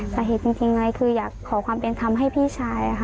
สาเหตุจริงเลยคืออยากขอความเป็นธรรมให้พี่ชายค่ะ